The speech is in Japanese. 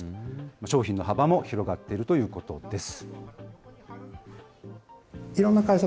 商品の幅も広がっているということです。